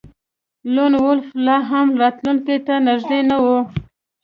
لون وولف لاهم راتلونکي ته نږدې نه و